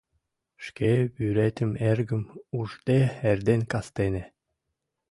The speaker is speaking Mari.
Шке вӱретым-эргым ужде эрден-кастене